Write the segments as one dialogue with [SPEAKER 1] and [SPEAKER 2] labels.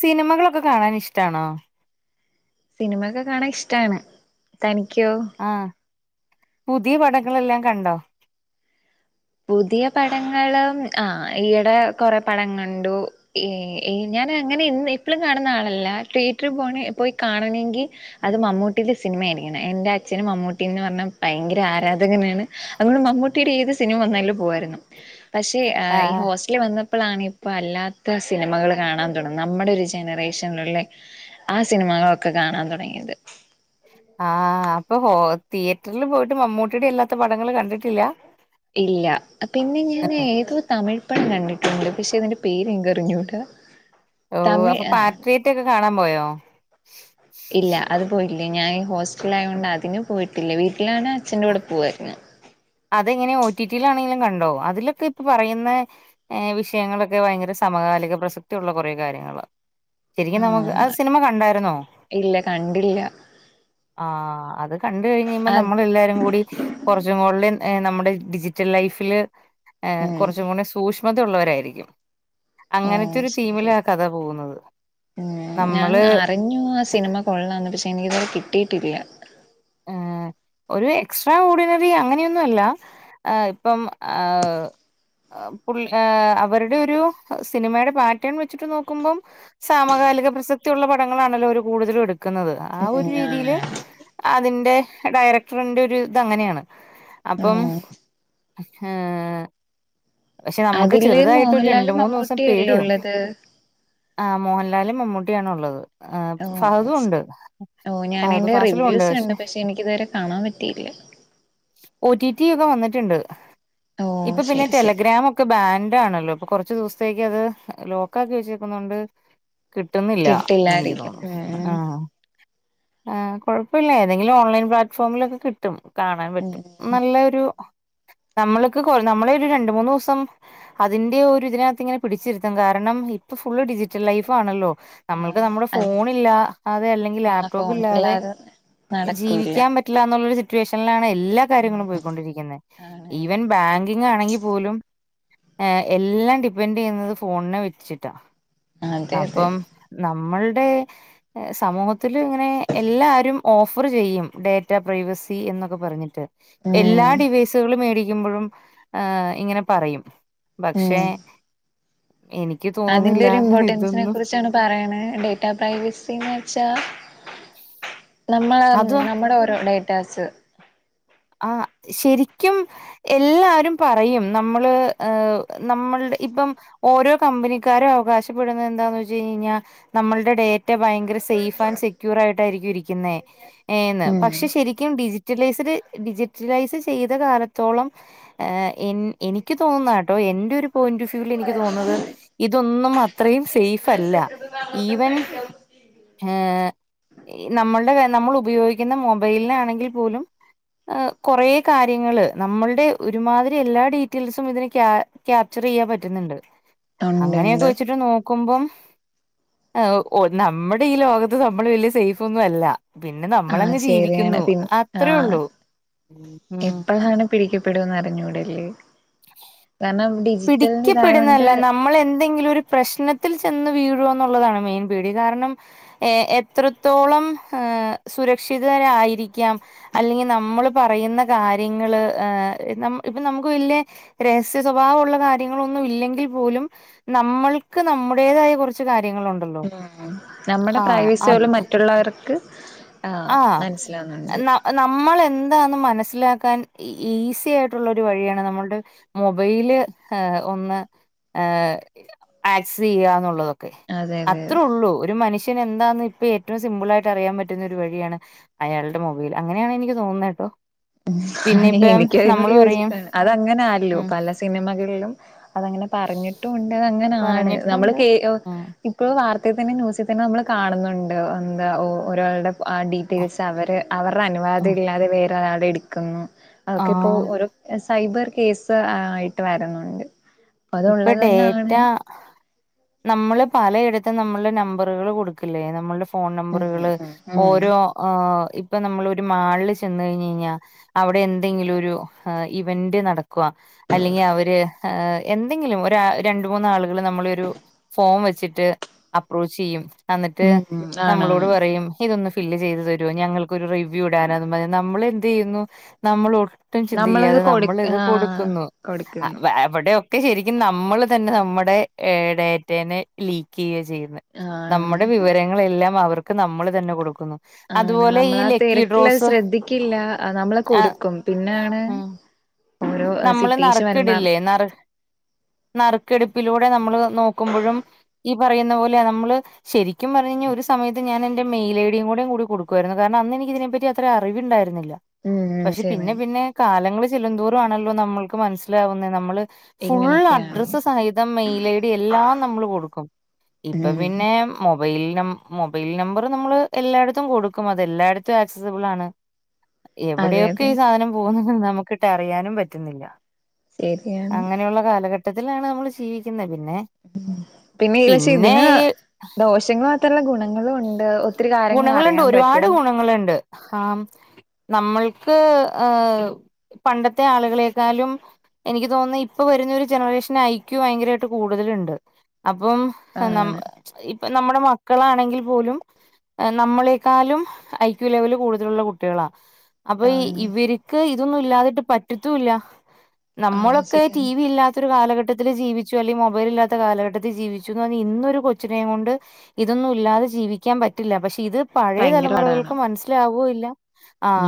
[SPEAKER 1] സിനിമകളൊക്കെ കാണാനിഷ്ടാണോ
[SPEAKER 2] സിനിമൊക്കെ കാണാൻ ഇഷ്ടാണ് തനിക്കോ
[SPEAKER 1] ആഹ് പുതിയ പടങ്ങളല്ലാം കണ്ടോ
[SPEAKER 2] പുതിയ പടങ്ങള് ആ ഈയിടെ കൊ റേ പടം കണ്ടു ഏ ഏ ഞാനങ്ങനെ ഇ എപ്പളും കാണുന്ന ആളല്ല തിയേറ്ററി പോണ പോയി കാണണെങ്കിൽ അത് മമ്മൂട്ടിടെ സിനിമ ആയിരിക്കണം. എന്റച്ഛന് മമ്മൂട്ടിന്ന് പർഞ്ഞ ഭയങ്കര ആരാധകനാണ് അതൊണ്ട് മമ്മൂട്ടിയുടെ ഏത് സിനിമ വന്നാലും പോവായിരുന്നു പക്ഷെഈ
[SPEAKER 1] ആഹ്
[SPEAKER 2] ഹോസ് റ്റലിൽ വന്നപ്പളാണ് ഇപ്പ അല്ലാത്ത സിനിമകള് കാണാൻ തുടങ്ങി നമ്മുടൊരു ജനറേഷനിലുള്ളെ ആ സിനിമകളൊക്കെ കാണാൻ തുടങ്ങിയത്
[SPEAKER 1] ആഹ് അപ്പൊ ഹോ തിയേറ്റർല് പോയിട്ട് മമ്മൂട്ടിയുടെയല്ലാത്ത പടങ്ങള് കണ്ടിട്ടില്ല
[SPEAKER 2] ഇല്ല പിന്നെ ഞാനേതോ തമിഴ്പടം കണ്ടിട്ടുണ്ട്. പക്ഷെ അതിന്റെ പേരെനിക്കറിഞ്ഞൂട
[SPEAKER 1] ഓ അപ്പൊ പാട്രിയേറ്റൊക്കെ കാണാൻ പോയോ
[SPEAKER 2] ഇല്ല അത് പോയില്ല ഞാൻ ഹോസ്റ്റലായൊണ്ട് അതിന് പോയിട്ടില്ല വീട്ടിലാണെ അച്ഛന്റെ കൂടെ പോവായിരുന്ന്
[SPEAKER 1] അതെങ്ങനെ ഒ ടി ടി ലാണെങ്കിലും കണ്ടോ അതിലൊക്കെ ഇപ്പൊ പറയുന്നെ ഏ വിഷയങ്ങളൊക്കെ ഭയങ്കര സമകാലിക പ്രസക്തിയുള്ള കുറേ കാര്യങ്ങള ശരിക്കും നമുക്ക്
[SPEAKER 2] ആഹ്
[SPEAKER 1] അത് സിനിമ കണ്ടായിരുന്നോ
[SPEAKER 2] ഇല്ല കണ്ടില്ല
[SPEAKER 1] ആ അത് കണ്ട് കഴിയുമ്പം
[SPEAKER 2] അത്
[SPEAKER 1] നമ്മളെല്ലാരും കൂടി കൊർച്ചും കൂടി നമ്മുടെ ഡിജിറ്റൽ ലൈഫില്
[SPEAKER 2] ഉം
[SPEAKER 1] കൊർച്ചും കൂടി സൂശ് മത ഉള്ളവരായിരിക്കും അങ്ങനത്തെ
[SPEAKER 2] ഓഹ്
[SPEAKER 1] ഒരു
[SPEAKER 2] ശരി
[SPEAKER 1] തീമിലാ ആ കഥ പോകുന്നത് നമ്മള്
[SPEAKER 2] ഇഞ്ഞു ആ സിനിമ കൊള്ളാംന്ന് പക്ഷെ എനിക്ക് ഇതുവരെ കിട്ടിയിട്ടില്ല
[SPEAKER 1] ഉം ഒരു എക്സ്ട്രാ ഓഡിനറി അങ്ങനെയൊന്നും അല്ല ആഹ് ഇപ്പം ആഹ് പുള്ളി ഏഹ് അവരുടെ ഒരു സിനിമയുടെ പാറ്റേൺ വെച്ചിട്ട് നോക്കുമ്പം സാമകാലിക പ്രസക്തിയുള്ള പടങ്ങളാണല്ലോ അവര് കൂടുതലും എടുക്കുന്നത് ആ ഒരു
[SPEAKER 2] ഉം ആണ്
[SPEAKER 1] രീതിയില് അതിന്റെ ഡയറക്ടറിന്റെ ഒരു തങ്ങനെയാണ് അപ്പം
[SPEAKER 2] ഉം
[SPEAKER 1] ഉം പക്ഷെ നമ്മക്ക്
[SPEAKER 2] അതില്
[SPEAKER 1] ചെറുതായിട്ട് ഒരു രണ്ട്
[SPEAKER 2] മോഹൻലാലും
[SPEAKER 1] മൂന്ന് ദിവസം
[SPEAKER 2] മമ്മൂട്ടിയല്ലേ
[SPEAKER 1] പേടിയാവും
[SPEAKER 2] ഉള്ളത്
[SPEAKER 1] ആഹ് മോഹൻലാലും മമ്മൂട്ടിയാണുള്ളത് ആ ഫഹദും ഉണ്ട്
[SPEAKER 2] ഓ
[SPEAKER 1] ഫഹദ്
[SPEAKER 2] ഞാനയ്ന്റെ
[SPEAKER 1] ഫാസിലും ഉണ്ട്
[SPEAKER 2] റിവ്യൂസ് കണ്ട്. പക്ഷെ എനക്കിതുവരെ കാണാൻ പറ്റിയില്ല
[SPEAKER 1] ഒ ടി ടി ഒക്കെ വന്നിട്ടുണ്ട്
[SPEAKER 2] ഓ
[SPEAKER 1] ഇപ്പ പിന്നെ
[SPEAKER 2] ശരി ശരി
[SPEAKER 1] ഗ്രാമൊക്കെ ബാൻഡാണല്ലോ, അപ്പൊ കൊറച്ചു ദിവസത്തേക്കത് ലോക്കാക്കി വെച്ചേക്കുന്നോണ്ട് കിട്ടുന്നില്ല ന്നെനിക്ക്
[SPEAKER 2] കിട്ടില്ലായിരിക്കും
[SPEAKER 1] തോന്നുന്നു
[SPEAKER 2] ഉം
[SPEAKER 1] ആഹ് ആ കൊഴപ്പവില്ല ഏതെങ്കിലും ഓൺലൈൻ പ്ലാറ്റ്ഫോമിലൊക്കെ കിട്ടും കാണാൻ
[SPEAKER 2] ഉം
[SPEAKER 1] പറ്റും.
[SPEAKER 2] ഉം
[SPEAKER 1] നല്ലൊരു നമ്മൾക്ക് കൊ നമ്മളെ ഒരു രണ്ട് മൂന്ന് ദിവസം അതിന്റെ ഒരു തിനകത്ത് ഇങ്ങനെ പിടിച്ചിരുത്തും കാരണം ഇപ്പൊ ഫുള്ള് ഡിജിറ്റൽ ലൈഫാണല്ലോ നമ്മൾക്ക്
[SPEAKER 2] ആഹ്
[SPEAKER 1] നമ്മുടെ
[SPEAKER 2] അത്
[SPEAKER 1] ഫോണില്ലാതെ അല്ലെങ്കി
[SPEAKER 2] ആഹ്
[SPEAKER 1] ലാപ്ടോപ്പില്ലാതെ
[SPEAKER 2] ഫോണില്ലാതെ നടക്കൂല്ല
[SPEAKER 1] ജീവിക്കാൻ പറ്റ് റ്റില്ല എന്നുള്ളൊരു സിറ്റുവേഷൻലാണ് എല്ലാ കാര്യങ്ങളും
[SPEAKER 2] ഉം
[SPEAKER 1] പോയീക്കൊണ്ടിരിക്കുന്നെ.
[SPEAKER 2] ആണ്
[SPEAKER 1] ഈവൻ ബാങ്കിംഗ് ആണെങ്കി ളും എല്ലാം ഡിപ്പെൻഡ് ചെയ്യുന്നത് ഫോണിനെ വെച്ചിട്ടാ
[SPEAKER 2] അതെ അതെ
[SPEAKER 1] അപ്പം നമ്മൾടെ സമൂഹത്തില്ങ്ങനെ എല്ലാരും ഓഫർ ചെയ്യും ഡേറ്റ പ്രൈവസി എന്നൊക്കെ പറഞ്ഞിട്ട് എല്ലാ
[SPEAKER 2] ഉം
[SPEAKER 1] ഡിവൈസുകള് മേടിക്കുമ്പഴും ഏഹ് ഇങ്ങനെ പറയും പക്ഷെ
[SPEAKER 2] ഉം
[SPEAKER 1] എനിക്ക് തോന്നുന്നില്ല ഇതൊന്നും
[SPEAKER 2] പറയണേ ഡേറ്റാ പ്രൈവസീന്ന് വെച്ചാ നമ്മളെ
[SPEAKER 1] അതും
[SPEAKER 2] നമ്മുടെ ഓരോ ഡേറ്റാസ്
[SPEAKER 1] ആഹ് ശരിക്കും എല്ലാരും പറയും നമ്മള് നമ്മളുടെ ഇപ്പം ഓരോ കമ്പനിക്കാരും അവകാശപ്പെടുന്ന എന്താന്ന് വെച്ച് കഴിയിഞ്ഞെയ്ഞ്ഞാ നമ്മളുടെ ഡേ റ്റ ഭയങ്കര സേഫ് ആൻഡ് സെക്യൂർ ആയിട്ടായിരിക്കും ഇരിക്കുന്നേ ന്ന്
[SPEAKER 2] ഉം
[SPEAKER 1] പക്ഷെ ശരിക്കും ഡിജിറ്റലൈസ്ഡ് ഡിജിറ്റലൈസ് ചെയ്ത കാലത്തോളം ഏ എനിക്ക് തോന്നുന്നാട്ടോ എന്റെ ഒരു പോയിന്റ് ഫ്യൂല് എനിക്ക് തോന്നുന്നത് ഇതൊന്നും അത്രേയും സേഫല്ല ഈവൻ ഏ നമ്മളുടെ നമ്മൾ ഉപയോഗിക്കുന്ന മൊബൈലിനെ ആണെങ്കിൽ പോലും കൊറേ കാര്യങ്ങള് നമ്മളുടെ ഒരുമാതിരി എല്ലാ ഡീറ്റെൽസും ഇതിന് ക്യാ ക്യാപ്ചർ ചെയ്യാൻ പറ്റുന്നുണ്ട്
[SPEAKER 2] ഉണ്ട് ഉണ്ട്
[SPEAKER 1] അങ്ങനെയൊക്കെ വെച്ചിട്ട് നോ ക്കുമ്പം ഏ നമ്മുടെ ഈ ലോകത്ത് നമ്മള് വലിയ സേഫ് ഒന്നും അല്ല പിന്നെ
[SPEAKER 2] ആഹ്
[SPEAKER 1] നമ്മളങ്ങ് ജീവിക്കുന്നു അത്രയേ ഉള്ളൂ ഉം
[SPEAKER 2] എപ്പളാണ് പിടിക്കപ്പെടാന്ന് അറിഞ്ഞൂടല്ലേ കാരണം ഡിജിറ്റലിന്
[SPEAKER 1] പിടിക്കപ്പെടുന്നല്ല
[SPEAKER 2] ഇതായോണ്ട്
[SPEAKER 1] നാം നമ്മൾ എന്തെങ്കിലും ഒരു പ്രശ്നത്തിൽ ചെന്ന് വീഴോ എന്നുള്ളതാണ് മെയിൻ പേടി കാരണം ഏ എത്രത്തോളം ഹ് സുരക്ഷിതരായിരിക്കാം അല്ലെങ്കിൽ നമ്മള് പറയുന്ന കാര്യങ്ങള് ഏ നമ് ഇപ്പൊ നമുക്ക് വലിയ രഹസ്യ സ്വഭാ ഭാവുള്ള കാര്യങ്ങളൊന്നും ഇല്ലെങ്കിൽ പോലും നമ്മൾക്ക് നമ്മുടേതായ കുറച്ച് കാര്യങ്ങളുണ്ട് പ്പൊ
[SPEAKER 2] നമ്മടെ പ്രൈവസി ഓലെ മറ്റുള്ളവർക്ക്
[SPEAKER 1] ആഹ് ന നമ്മളെന്താന്ന് മനസ്സിലാക്കാൻ ഈസി ആയിട്ടുള്ളൊരു വഴിയാണ് നമ്മളുടെ മൊബൈല് ഏ ഒന്ന് ഏ ആക്സ് ചെയ്യാന്നുള്ളത് ക്കെ
[SPEAKER 2] അതെ അതെ
[SPEAKER 1] അത്രേ ഉള്ളൂ ഒരു മനുഷ്യൻ എന്താന്ന് ഇപ്പ ഏറ്റവും സിമ്പിളായിട്ട് അറിയാൻ പറ്റുന്ന ഒര് വഴിയാണ് അയാളുടെ മൊബൈൽ അങ്ങനെയാണ് എനിക്ക് തോന്നുന്നത് ട്ടോ
[SPEAKER 2] എനിക്ക അതിനോട്
[SPEAKER 1] പറയും
[SPEAKER 2] യോജിപ്പാണ് അത അങ്ങനെ ആല്ലോ
[SPEAKER 1] ഉം
[SPEAKER 2] പല സിനിമകളിലും അതങ്ങനെ പറഞ്ഞിട്ടും ഉണ്ട് അങ്ങനാണ് നമ്മള്
[SPEAKER 1] പറഞ്ഞിട്ടുണ്ട്
[SPEAKER 2] കേ
[SPEAKER 1] ഉം
[SPEAKER 2] ഇപ്പോള് വാർത്ത തന്നെ ന്യൂസിൽ തന്നെ നമ്മൾ കാണുന്നുണ്ട് എന്താ ഓ ഒരാളുടെ ആ ഡീറ്റെയിൽസ് അവര് അവരുടെ അനുവാദം
[SPEAKER 1] ഉം
[SPEAKER 2] ഇല്ലാതെ വേറെരാള എടുക്കുന്നു അതൊക്കെ ഇപ്പോ
[SPEAKER 1] ആഹ്
[SPEAKER 2] ഒരു സൈബർ കേസ് ആയിട്ട് വരുന്നുണ്ട്
[SPEAKER 1] ഇപ്പൊ
[SPEAKER 2] അതൊള്ളത്
[SPEAKER 1] ഡേറ്റ
[SPEAKER 2] തന്നാണ്
[SPEAKER 1] നമ്മള് പലയിടത്തും നമ്മുടെ നമ്പറുകൾ കൊടുക്കില്ലേ നമ്മുടെ ഫോൺ
[SPEAKER 2] ഉം
[SPEAKER 1] നമ്പറുകള്
[SPEAKER 2] ഉം
[SPEAKER 1] ഓരോ
[SPEAKER 2] ഉം
[SPEAKER 1] ഹ ഇപ്പൊ നമ്മൾ ഒരു മാളില് ചെന്ന കഴിഞ്ഞ്കഴിഞ്ഞാ അവിടെ എന്തെങ്കിലും ഒരു ഇവന്റ് നടക്കുക അല്ലെങ്കിൽ അവര് എന്തെങ്കിലും ഒര രണ്ട്മൂന്നാളുകൾ നമ്മളോരു ഫോം വെച്ചിട്ട് അപ്രോച്ച് ചെയ്യും ആ ന്നിട്ട്
[SPEAKER 2] ഉം ആണാണ്
[SPEAKER 1] നമ്മളോട് പറയും ഇതൊന്ന് ഫില്ല് ചെയ്തു തരോ ഞങ്ങൾക്കൊരു റിവ്യൂ ഇടാനാന്നും പറഞ്ഞ് നമ്മൾ എന്ത് ചെയ്യുന്നു നമ്മൾ ഒട്ടും
[SPEAKER 2] നമ്മളത്
[SPEAKER 1] ചിന്തിക്കാതെ
[SPEAKER 2] കൊടു
[SPEAKER 1] നമ്മൾ ഇത്
[SPEAKER 2] ആഹ്
[SPEAKER 1] കൊടുക്കുന്നു
[SPEAKER 2] കൊടുക്കുന്നു
[SPEAKER 1] അവിടെ ഒക്കെ ശരിക്കും നമ്മൾ തന്നെ നമ്മുടെ ഡാറ്റേനെ ലീക്ക് ചെയ്യ ചെയ്യുന്നെ
[SPEAKER 2] ആണ്
[SPEAKER 1] നമ്മുടെ വിവരങ്ങളെല്ലാം അവർക്ക് നമ്മൾ തന്നെ കൊടുക്കുന്നു
[SPEAKER 2] ആണ്
[SPEAKER 1] അതുപോലെ ഈ
[SPEAKER 2] നമ്മളാ
[SPEAKER 1] ലക്കി
[SPEAKER 2] തിരക്കിൽ അത്
[SPEAKER 1] ഡ്രോസ്
[SPEAKER 2] ശ്രദ്ധിക്കില്ല നമ്മള്
[SPEAKER 1] ആ
[SPEAKER 2] കൊടുക്കും പിന്നാണ്
[SPEAKER 1] ഉം
[SPEAKER 2] ഓരോ
[SPEAKER 1] നമ്മള്
[SPEAKER 2] സിറ്റുവേഷൻ വരുമ്പം
[SPEAKER 1] നറക്ക്ടില്ലേ നറ് നറുക്കെടുപ്പിലൂടെ നമ്മള് നോക്കുമ്പോഴും ഈ പറയുന്ന പോലെയ നമ്മള് ശരിക്കും പറഞ്ഞു കഴിഞ്ഞൽ ഒരു സമയത്ത് ഞാൻ എന്റെ മെയിൽ ഐഡിയ കൂടെ കൊടുക്കുയിരുന്നു കാരണം അന്ന് എനിക്ക് ഇതിനെ പറ്റി അതി അത്ര അറിവുണ്ടായിരുന്നില്ല
[SPEAKER 2] ഉം
[SPEAKER 1] പക്ഷേ
[SPEAKER 2] ശരി
[SPEAKER 1] പിന്നെ പിന്നെ കാലങ്ങള് ചെല്ലുന്തോറും ആണല്ലോ നമ്മൾക്ക് മനസ്സിലാവുന്ന നമ്മള് ഫുള്ള്
[SPEAKER 2] ഇങ്ങനൊക്കെയാണ്
[SPEAKER 1] അഡ്രസ്സ് സഹിതം മെയിൽ ഐ ഡി എല്ലാം നമ്മള് കൊടുക്കും ഇപ്പൊ
[SPEAKER 2] ഉം
[SPEAKER 1] പിന്നെ മൊബൈൽ ന മൊബൈൽ നമ്പർ നമ്മള് എല്ലായിടത്തും കൊടുക്കും അത എല്ലായിടത്തും ത്ത് ആക്സസിബിൾ ആണ്
[SPEAKER 2] അതെ
[SPEAKER 1] എവിടെയൊക്കെ
[SPEAKER 2] അതെ
[SPEAKER 1] ഈ സാധനം പോകുന്നുന്ന് നമുക്കിട്ട് അറിയാനും പറ്റുന്നില്ല
[SPEAKER 2] ശരിയാണ്
[SPEAKER 1] അങ്ങനെയുള്ള കാലഘട്ടത്തിലാണ് നമ്മള് ജീവിക്കുന്നത് പിന്നെ
[SPEAKER 2] പിന്നെ ഈ പക്ഷേ ഇതിന് ദോഷങ്ങ ത്തുള്ള ഗുണങ്ങളും ഉണ്ട് ഒത്തിരി കാര്യങ്ങൾ അറിയാൻ പറ്റും
[SPEAKER 1] ങ്ങളുണ്ട് ആഹ് നമ്മൾക്ക് ഏഹ് പണ്ടത്തെ ആളുകളെക്കാളും എനിക്ക് തോന്നുന്നു ഇപ്പൊ വരുന്ന ഒരു ജനറേഷന് ഐക്യു ഭയങ്കരമായിട്ട് കൂടുതലുണ്ട് അപ്പം ആഹ് നമ്മെ
[SPEAKER 2] ആണ്
[SPEAKER 1] ഇപ്പം നമ്മുടെ മക്കളാണെങ്കിൽ പോലും നമ്മളെക്കാളും ഐക്യു ലെവൽ കൂടുതലുള്ള കുട്ടികളാ അപ്പൊ
[SPEAKER 2] ആണ്
[SPEAKER 1] ഇവർക്ക് ഇതൊന്നും ഇല്ലാതിട്ട് പറ്റത്തൂല്ല
[SPEAKER 2] അത്
[SPEAKER 1] നമ്മളൊക്കെ ടി
[SPEAKER 2] ശരിയാണ്
[SPEAKER 1] വി ഇല്ലാ ത്തൊരു കാലഘട്ടത്തിൽ ജീവിച്ചു അല്ലെങ്കിൽ മൊബൈൽ ഇല്ലാത്ത കാലഘട്ടത്തിൽ ജീവിച്ചു എന്ന് പറഞ് ഇന്നൊരു കൊച്ചിനെയും കൊണ്ട് ഇതൊന്നും ഇല്ലാതെ ജീവിക്കാൻ പറ്റില്ല പക്ഷേ ഇത് പഴയ
[SPEAKER 2] ഭയങ്കര പാടാണ്
[SPEAKER 1] തലമുറകൾക്ക് മനസ്സിലാവുക ഇല്ല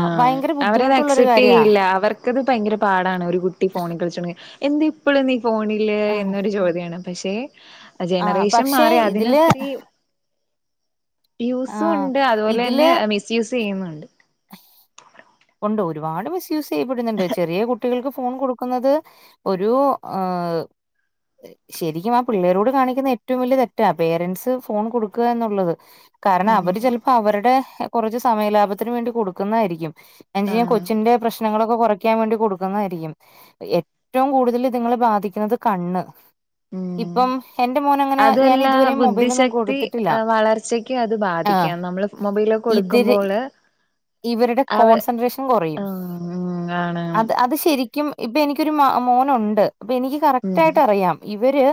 [SPEAKER 2] ആഹ്
[SPEAKER 1] ഭയങ്കര
[SPEAKER 2] അവരത്
[SPEAKER 1] ബുദ്ധിമുട്ടുള്ളൊരു
[SPEAKER 2] അക്സെപ്റ്റ്
[SPEAKER 1] കാര്യാ
[SPEAKER 2] ചെയ്യില്ല അവർക്ക് ക്കത് ഭയങ്കര പാടാണ് ഒരു കുട്ടി ഫോണിൽ കളിച്ചു തുടങ്ങി എന്ത് ഇപ്പോഴും നീ ഫോണില്
[SPEAKER 1] ആഹ്
[SPEAKER 2] എന്നൊരു ചോ ദ്യാണ് പക്ഷെ
[SPEAKER 1] ആഹ്
[SPEAKER 2] ജനറേഷൻ
[SPEAKER 1] പക്ഷെ
[SPEAKER 2] മാറി
[SPEAKER 1] ഇതില്
[SPEAKER 2] അതിനൊത്തിരി യൂസും
[SPEAKER 1] ആഹ്
[SPEAKER 2] ഉണ്ട് അതുപോലെ തന്നെ
[SPEAKER 1] ഇതില്
[SPEAKER 2] മിസ്യൂസ് ചെയ്യുന്നുണ്ട്
[SPEAKER 1] ഉണ്ട് ഒരുപാട് മിസ്യൂസ് ചെയ്യപ്പെടുന്നുണ്ട് ചെറിയ കുട്ടികൾക്ക് ഫോൺ കൊടുക്കുന്നത് ഒരു ആഹ് ശരിക്കും ആ പിള്ളേരോട് കാണിക്കുന്ന ഏറ്റവും വലിയ തെറ്റാ പേരന്റ്സ് ഫോൺ കൊടുക്കുക എന്നുള്ളത് കാരണം
[SPEAKER 2] ഉം
[SPEAKER 1] അവര് ചിലപ്പോ അവരുടെ കുറച്ച് സമയ ലാഭത്തിന് വേണ്ടി കൊടുക്കുന്നതായിരിക്കും [unintelligible]
[SPEAKER 2] ആണ്
[SPEAKER 1] കൊച്ചിന്റെ പ്രശ്നങ്ങളൊക്കെ കുറയ്ക്കാൻ വേണ്ടി കൊടുക്കതായിരിക്കും ഏറ്റവും കൂടുതൽ ഇതുങ്ങള് ബാധിക്കുന്നത് കണ്ണ്
[SPEAKER 2] ഉം
[SPEAKER 1] ഇപ്പം എന്റെ മോൻ അങ്ങനെ ഞാൻ
[SPEAKER 2] അതല്ല
[SPEAKER 1] ഇതുവരെയും മൊബൈലൊന്നും
[SPEAKER 2] ബുദ്ധിശക്തി
[SPEAKER 1] കൊടുത്തിട്ടില്ല
[SPEAKER 2] വളർച്ചക്ക് അത്
[SPEAKER 1] ആ
[SPEAKER 2] ബാധിക്കാം നമ്മള് മൊബൈലൊക്കെ
[SPEAKER 1] ഇതിര്
[SPEAKER 2] കൊടുക്കുമ്പോള്
[SPEAKER 1] ഇവരുടെ
[SPEAKER 2] അവ
[SPEAKER 1] കോൺസെൻട്രേഷൻ കുറയും
[SPEAKER 2] ആഹ് ആണ്
[SPEAKER 1] അത്
[SPEAKER 2] ആണ്
[SPEAKER 1] അത് ശരി ക്കും. ഇപ്പൊ എനിക്കൊരു മ മോനുണ്ട് അപ്പൊ എനിക്ക്
[SPEAKER 2] ഉം
[SPEAKER 1] കറക്റ്റായിട്ട് അറിയാം. ഇവര്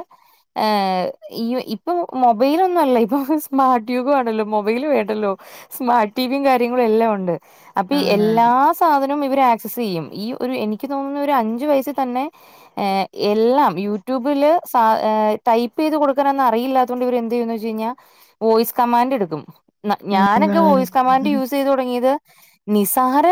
[SPEAKER 1] ആഹ്. ഇപ്പൊ മൊബൈലൊന്നും അല്ല ഇപ്പൊ ഫുൾ സ്മാർട്ട് യുഗം ആണല്ലോ മൊബൈൽ വേണ്ടല്ലോ സ്മാർട്ട് ടിവിയും കാര്യങ്ങളും എല്ലാം ഉണ്ട്. അപ്പൊ ഈ എല്ലാ
[SPEAKER 2] ആണാണ്
[SPEAKER 1] സാധനങ്ങ ളും ഇവര് ആക്സസ് ചെയ്യും ഈ ഒരു എനിക്ക് തോന്നുന്നു ഒരു അഞ്ചു വയസ്സ് തന്നെ ഏഹ് എല്ലാം യൂട്യൂബില് സാ ടൈപ്പ് ചെയ്ത് കൊടുക്കണംന്ന് അറിയില്ലാത്ത ത് കൊണ്ട് ഇവരെന്തെയ്യും ചോദിച്ച് കഴിഞ്ഞാ വോയിസ് കമാൻഡ് എടുക്കും ഞാനൊക്കെ
[SPEAKER 2] ആണ്
[SPEAKER 1] വോയിസ് കമാൻഡ് യൂസ് യൂസ് ചെയ്ത് തുടങ്ങിയത് നിസ്സാര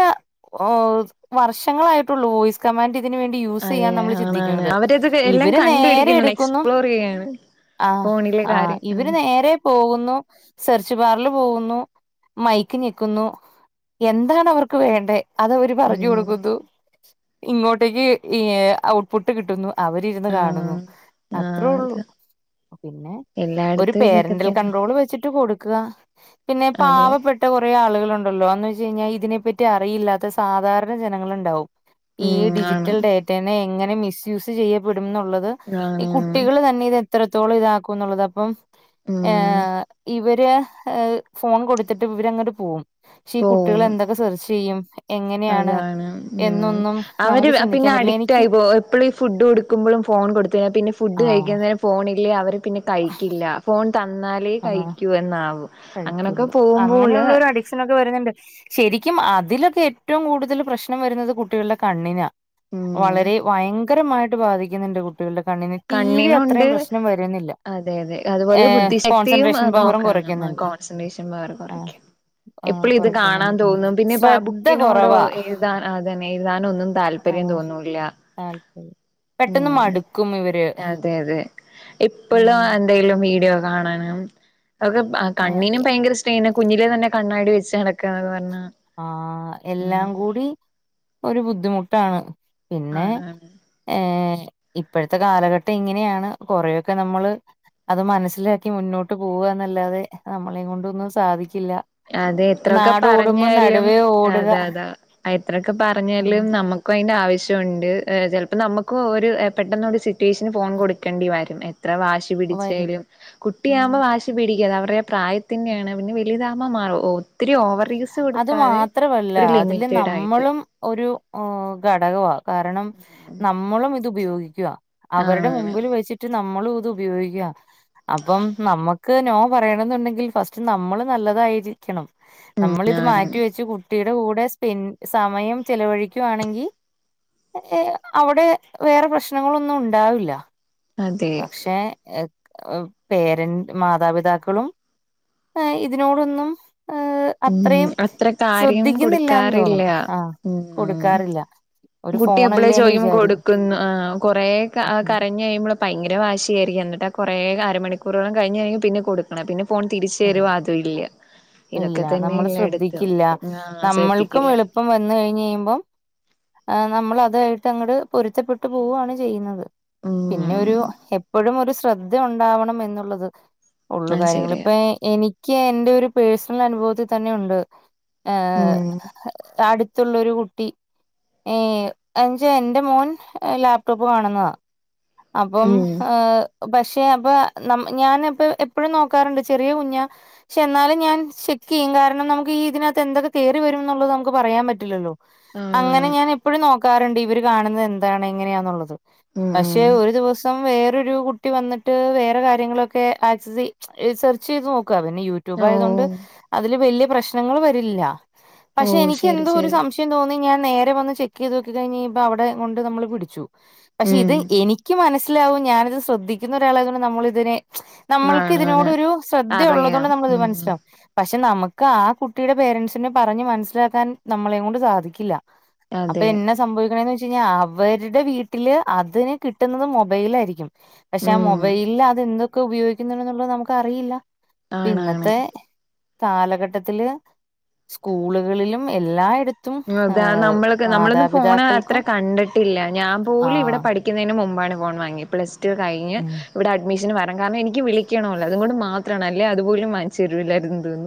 [SPEAKER 1] വർഷങ്ങളായിട്ടുള്ളൂ വോയ്സ് കമാൻഡ് ഇതിനു വേണ്ടി യൂസ്
[SPEAKER 2] അതെ
[SPEAKER 1] ചെയ്യാൻ നമ്മൾ
[SPEAKER 2] ആണാണ്
[SPEAKER 1] ചിന്തിക്കുന്നത്.
[SPEAKER 2] അവരത് എല്ലാം
[SPEAKER 1] ഇവര് നേരെ
[SPEAKER 2] കണ്ടുപിടിക്കുന്നുണ്ട്
[SPEAKER 1] എടുക്കുന്നു
[SPEAKER 2] എക്സ്പ്ലോർ ചെയ്യാണ്
[SPEAKER 1] ആഹ്
[SPEAKER 2] ഫോണിലെ
[SPEAKER 1] ആഹ്
[SPEAKER 2] കാര്യം ആ
[SPEAKER 1] ഇവര് നേരെ പോകുന്നു സെർച്ച് ബാറിൽ പോകുന്നു മൈക്ക് ഞെക്കു ക്കുന്നു എന്താണ് അവർക്ക് വേണ്ടത് അത് അവര്
[SPEAKER 2] ഉം
[SPEAKER 1] പറഞ്ഞു കൊടുക്കുന്നു ഇങ്ങോട്ടേക്ക് ഏഹ് ഔട്ട്പുട്ട് കിട്ടുന്നു അവര് ഇരുന്ന് കാണുന്നു
[SPEAKER 2] ആഹ്
[SPEAKER 1] അത്രേ
[SPEAKER 2] ആഹ് അത
[SPEAKER 1] ഒള്ളൂ പിന്നെ ഒരു
[SPEAKER 2] എല്ലായിടത്തും ഇതൊക്കെ
[SPEAKER 1] പേരൻ്റൽ
[SPEAKER 2] തന്നെ
[SPEAKER 1] കണ്ട്രോള് വെച്ചിട്ട് കൊടുക്കുക പിന്നെ
[SPEAKER 2] അതെ
[SPEAKER 1] പാവപ്പെ റേ ആളുകളുണ്ടല്ലോ എന്ന് വെച്ച് കഴിഞ്ഞാ ഇതിനെപ്പറ്റി അറിയില്ലാത്ത സാധാരണ ജനങ്ങള്ണ്ടാവും. ഈ
[SPEAKER 2] ഉം ആണ്
[SPEAKER 1] ഡിജിറ്റൽ ഡേറ്റനെ എങ്ങനെ മിസ് യൂസ് ചെയ്യപ്പെടുംന്നുള്ളത്. ഈ
[SPEAKER 2] ആണ് ആണ്
[SPEAKER 1] കുട്ടികള് തന്നെ ഇത് എത്രത്തോളം ഇതാക്കും എന്നുള്ളത് അപ്പം.
[SPEAKER 2] ഉം
[SPEAKER 1] ഏഹ് ഇവര് ഫോൺ കൊടുത്തിട്ട് ഇവരങ്ങട്ട് പോവും. പക്ഷെ ഈ
[SPEAKER 2] പോവും
[SPEAKER 1] കുട്ടികള് എന്തൊക്കെ സെർച്ച് ചെയ്യും. എങ്ങനെയാണ്
[SPEAKER 2] അതാണ് ഉം.
[SPEAKER 1] എന്നൊന്നും
[SPEAKER 2] അവര്
[SPEAKER 1] നമുക്ക്
[SPEAKER 2] അ
[SPEAKER 1] ചിന്തിക്കാൻ
[SPEAKER 2] പിന്നെ
[SPEAKER 1] പറ്റില്ല
[SPEAKER 2] അഡിക്റ്റ്
[SPEAKER 1] എനിക്ക്
[SPEAKER 2] ആയി പോകും എപ്പളും ഈ ഫുഡ് കൊടുക്കുമ്പളും ഫോൺ കൊടുത്തു കഴിഞ്ഞ പിന്നെ ഫുഡ്
[SPEAKER 1] ആഹ്
[SPEAKER 2] കഴിക്കുന്നേരം. ഫോണില്ലേ അവര് പിന്നെ കഴിക്കില്ല ഫോൺ തന്നാലേ
[SPEAKER 1] ആഹ്
[SPEAKER 2] കഴിക്കൂ എന്നാവും. അങ്ങനൊക്കെ
[SPEAKER 1] കഴിക്കുള്ളൂ
[SPEAKER 2] പോകുമ്പോള്
[SPEAKER 1] അങ്ങനെയുള്ളൊരു അടി ക്ഷനൊക്കെ വരുന്നുണ്ട് ശരിക്കും അതിലൊക്കെ ഏറ്റവും കൂടുതൽ പ്രശ്നം വരുന്നത് കുട്ടികളുടെ കണ്ണിനാ.
[SPEAKER 2] ഉം
[SPEAKER 1] വളരെ വയങ്കരമായിട്ട് ബാധിക്കുന്നുണ്ട് കു ട്ടികളുടെ കണ്ണിന് ടി വി അത്രേം
[SPEAKER 2] കണ്ണിനുണ്ട്
[SPEAKER 1] പ്രശ്നം വരുന്നില്ല
[SPEAKER 2] അതെ അതെ
[SPEAKER 1] ഏഹ് കോൺസെൻട്രേഷൻ പവറും കുറ
[SPEAKER 2] ആ കോൺസെൻട്രേഷൻ പവറ് കുറയ്ക്കും.
[SPEAKER 1] ആ
[SPEAKER 2] എപ്പളും ഇത് കാണാൻ
[SPEAKER 1] കുറയ്ക്കുന്നുണ്ട്
[SPEAKER 2] തോന്നും പിന്നെ ബ
[SPEAKER 1] ശ്രദ്ധ
[SPEAKER 2] ബുക്കിനോടോ
[SPEAKER 1] കുറവാ
[SPEAKER 2] എഴുതാൻ അതന്നെ എഴുതാനൊന്നും താൽ പര്യം തോന്നൂല്ല.
[SPEAKER 1] താല്പര്യല്ല പെട്ടെന്ന്
[SPEAKER 2] ഉം
[SPEAKER 1] മടുക്കും ഇവര്.
[SPEAKER 2] അതെ അതെ എപ്പളും
[SPEAKER 1] ഉം
[SPEAKER 2] എന്തെലും വീഡിയോ കാണാനും. അതക്കെ ഭ കണ്ണിനും ഭയങ്കര സ്ട്രെയിന് കുഞ്ഞിലെ തന്നെ കണ്ണാടി വെച്ച് നടക്കന്ന് പർഞ്ഞ.
[SPEAKER 1] ആഹ് എല്ലാം കൂടി ഒരു ബുദ്ധിമുട്ടാണ് പിന്നെ.
[SPEAKER 2] ആണ് ആണ്
[SPEAKER 1] ഏഹ് ഇപ്പഴത്തെ കാലഘട്ടം ഇങ്ങനെയാണ് കുറെയൊക്കെ നമ്മള്. അത് മനസ്സിലാക്കി മുന്നോട്ട് പോവുക എന്നല്ലാതെ നമ്മളെ കൊണ്ടൊന്നും സാധിക്കില്ല.
[SPEAKER 2] അതെ എത്രയൊക്കെ
[SPEAKER 1] നാട് ഓടുമ്പോ
[SPEAKER 2] പറഞ്ഞാലും
[SPEAKER 1] നടുവേ ഓടുക
[SPEAKER 2] അതെ അതെ ആ എത്രയൊക്കെ
[SPEAKER 1] ഉം
[SPEAKER 2] പറഞ്ഞാലും. നമ്മക്കും അതിന്റെ ആവശ്യമുണ്ട് ഏ ചെൽപ്പൊ നമുക്കും ഒരു എ പെട്ടെന്നൊരു സിറ്റുവേഷന് ഫോൺ കൊടുക്കണ്ടി വരില്ലേ. ത്ര വാശി
[SPEAKER 1] വരും
[SPEAKER 2] പിടിച്ചായാലും
[SPEAKER 1] ഉം
[SPEAKER 2] കുട്ടിയാവുമ്പൊ വാശി പിടിക്കും അതവരുടെ പ്രായത്തിന്റെയാണ് പിന്നെ വലുതാ മമാ ഒ ഒത്തിരി ഓവർ യൂസ്
[SPEAKER 1] അത്
[SPEAKER 2] കൊടുക്കാതെ
[SPEAKER 1] മാത്രമല്ല
[SPEAKER 2] ഒരു
[SPEAKER 1] അതില്
[SPEAKER 2] ലിമിറ്റഡ് ആയിട്ട്.
[SPEAKER 1] നമ്മളും ഒരു ഘടകവാ കാരണം നമ്മളും ഇത് ഉപയോഗിക്കുവാ. അവരുടെ
[SPEAKER 2] ആണ്
[SPEAKER 1] മുമ്പില് വെച്ചിട്ട് നമ്മളും ഇത് ഉപയോഗിക്കുവാ അപ്പം നമ്മക് ക്ക് നോ പറയണെന്നുണ്ടെങ്കിൽ ഫസ്റ്റ് നമ്മള് നല്ലതായിരിക്കണം.
[SPEAKER 2] ഉം
[SPEAKER 1] നമ്മളിത്
[SPEAKER 2] ആണ്
[SPEAKER 1] മാറ്റിവെച്ച് കുട്ടിയുടെ കൂടെ സ്പെൻ സമയം ചെലവഴിക്കുവാണെങ്കി. ഏ അവ്ടെ വേറെ പ്രശ്നങ്ങളൊന്നും ഉണ്ടാവില്ല.
[SPEAKER 2] അതെ
[SPEAKER 1] പക്ഷേ എ പേരന്റ് മാതാപിതാക്കളും. ആ ഇതിനോടൊന്നും ഏഹ്.
[SPEAKER 2] ഉം
[SPEAKER 1] അത്രയും
[SPEAKER 2] അത്ര കാര്യം
[SPEAKER 1] സ്രദ്ധിക്കുന്നില്ലാന്ന്
[SPEAKER 2] കൊടുക്കാറില്ല
[SPEAKER 1] തോന്നുന്നു ആ
[SPEAKER 2] ഉം
[SPEAKER 1] കൊടുക്കാറില്ല. ഒരു
[SPEAKER 2] കുട്ടി എപ്പളേ
[SPEAKER 1] ഫോണല്ലേന്ന്
[SPEAKER 2] ചോയിക്കുമ്പ
[SPEAKER 1] വിചാരിക്കും
[SPEAKER 2] കൊടുക്കുന്നു ആഹ് കൊറെ ക കരഞ്ഞ് കഴിയുമ്പള്. ഭയങ്കര വാശിയായിരിക്കും എന്നിട്ട് കുറെ അരമണിക്കൂറോളം കഴിഞ്ഞു കഴിഞ്ഞാൽ പിന്നെ കൊടുക് കണം പിന്നെ ഫോൺ തിരിച്ച് തരു അതു ഇല്ല.
[SPEAKER 1] ഇല്ല
[SPEAKER 2] ഇതൊക്കെ
[SPEAKER 1] നമ്മള്
[SPEAKER 2] തന്നെയല്ലേ എടുത്തും
[SPEAKER 1] ശ്രദ്ധിക്കില്ല
[SPEAKER 2] ആഹ്
[SPEAKER 1] നമ്മൾക്കും
[SPEAKER 2] ശ്രദ്ധിക്കില്ല
[SPEAKER 1] എളുപ്പം വന്ന് കഴിഞ്ഞ് കഴിയുമ്പം. ആ നമ്മള് അതായിട്ട് അങ്ങട് പൊരുത്തപ്പെട്ടു പോവണ് ചെയ്യുന്നത്. പിന്നെ ഒരു
[SPEAKER 2] ഉം
[SPEAKER 1] എപ്പഴും ഒരു ശ്രദ്ധ ഉണ്ടാവണം എന്നുള്ളത്. ഉള്ളു
[SPEAKER 2] അത്
[SPEAKER 1] കാര്യങ്ങള്
[SPEAKER 2] ശരിയാ
[SPEAKER 1] ഇപ്പൊ എനിക്ക് എന്റെ ഒരു പേഴ്സണൽ അനുഭവത്തിൽ തന്നെ ഉണ്ട്. ഏഹ്
[SPEAKER 2] ഉം
[SPEAKER 1] അടുത്തുള്ളൊരു കുട്ടി. ഏഹ് അഞ്ച എന്റെ മോൻ എ ലാപ്ടോപ്പ് കാണുന്നതാ. അപ്പം
[SPEAKER 2] ഉം
[SPEAKER 1] ഹേ. പക്ഷെ അപ്പൊ നം ഞാനപ്പ എപ്പഴും നോക്കാറുണ്ട് ചെറിയ കുഞ്ഞ. പക്ഷെ എന്നാലും ഞാൻ ചെക്ക് ചെയ്യും കാരണം നമുക്ക് ഈ ഇതിനകത്ത് എന്തൊക്കെ കേറി വരുംന്നുള്ളത് നമുക്ക് പറയാൻ പറ്റില്ലല്ലോ. അങ്ങനെ
[SPEAKER 2] ആണാണ്
[SPEAKER 1] ഞാന് എപ്പഴും നോ ക്കാറുണ്ട്. ഇവര് കാണുന്നത് എന്താണ് എങ്ങനെയാന്നുള്ളത്.
[SPEAKER 2] ഉം
[SPEAKER 1] പക്ഷെ
[SPEAKER 2] ഉം
[SPEAKER 1] ഒരു ദിവസം വേറൊരു കു ട്ടി വന്നിട്ട് വേറെ കാര്യങ്ങളൊക്കെ ആക് സേ സെർച്ച് ചെയ്ത് നോക്ക. പിന്നെ യൂ ട്യൂബായതോണ്ട്
[SPEAKER 2] ഓഹ്
[SPEAKER 1] അതില് വലിയ പ്രശ്നങ്ങൾ വരില്ല. പക്ഷെ
[SPEAKER 2] ഓഹ്
[SPEAKER 1] എനിക്ക്
[SPEAKER 2] ശരി
[SPEAKER 1] എന്തോ ഒരു
[SPEAKER 2] ശരി
[SPEAKER 1] സംശ യം തോന്നി ഞാൻ നേരെ വന്ന് ചെക്ക് ചെയ്ത് നോക്കിഴിഞ്ഞപ്പം അവിടെ കൊണ്ട് നമ്മള് പിടിച്ചു. പക്ഷെ
[SPEAKER 2] ഉം
[SPEAKER 1] ഇത് എനിക്ക് മനസ്സിലാവും. ഞാനിത് ശ്രദ്ധിക്കുന്ന ഒരാളയത് നമ്മളിതിനെ നമ്മൾക്ക് ഇതിനോട്
[SPEAKER 2] ആണാണ്
[SPEAKER 1] ഒരു ശ്രദ്ധ
[SPEAKER 2] അറിയാം
[SPEAKER 1] ഉള്ളതുകൊണ്ട് നമ്മളത്
[SPEAKER 2] ഉം
[SPEAKER 1] മനസ്സിലാവും. പക്ഷെ നമുക്ക് ആ കുട്ടിയുടെ പേരൻറ്സിനെ പറഞ്ഞ് മനസ്സിലാക്കാൻ നമ്മളെ കൊണ്ട് സാധിക്കില്ല. അപ്പൊ
[SPEAKER 2] അതെ
[SPEAKER 1] എന്ന സംഭവിക്കണന്ന്ച്ച കഴിഞ്ഞാൽ അവരുടെ വീട്ടില് അതിന് കിട്ടുന്നത് മൊബൈലയിരിക്കും. പക്ഷെ ആ
[SPEAKER 2] ഉം
[SPEAKER 1] മൊബൈലില് അതെന്തോക്കെ ഉപയോഗിക്കുന്നു എന്നുള്ളത് നമുക്ക് അറിയില്ല. ഇന്ന
[SPEAKER 2] ആണാണ്
[SPEAKER 1] ത്തെ കാലഘട്ടത്തില് സ്കൂളുകളിലും എല്ലായിട ത്തും
[SPEAKER 2] അതാ
[SPEAKER 1] ഏഹ്
[SPEAKER 2] നമ്മളൊക്കെ നമ്മളൊന്നും ഫോൺ അത്ര
[SPEAKER 1] മാതാപിതാക്കൾക്കും
[SPEAKER 2] കണ്ടിട്ടില്ല. ഞാൻ പോലും ഇവിടെ
[SPEAKER 1] ആഹ്
[SPEAKER 2] പഠിക്കുന്നതിന് മുമ്പാണ് ഫോൺ വാങ്ങിയെ. പ്ലസ് ടു കഴിഞ്ഞ്
[SPEAKER 1] ഉം
[SPEAKER 2] ഇവിടെ അഡ്മിഷൻ വരാ. കാരണം എനിക്ക് വിളിക്കണമല്ലോ അതുകൊണ്ട് മാത്രണല്ലേ. അല്ലേൽ അതുപോലും വാങ്ങിച്ചു തരൂല്ലായിരുന്നു.